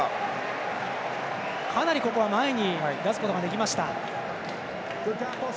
かなり、ここは前に出すことができました。